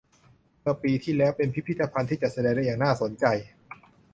เมื่อปีที่แล้ว เป็นพิพิธภัณฑ์ที่จัดแสดงได้อย่างน่าสนใจ